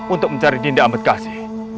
untuk mencari dinda ametkasi